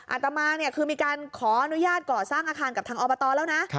อาตมาคือมีการขออนุญาตก่อสร้างอาคารกับทางอบตแล้วนะ